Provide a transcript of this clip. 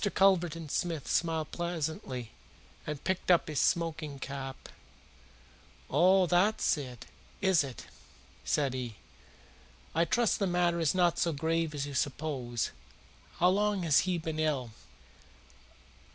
Mr. Culverton Smith smiled pleasantly and picked up his smoking cap. "Oh, that's it is it?" said he. "I trust the matter is not so grave as you suppose. How long has he been ill?"